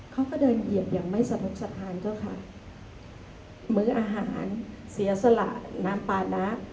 เขาก็เดินเหยียบอย่างไม่สนุกสนานก็ค่ะมื้ออาหารเสียสละน้ำปลาน้ำ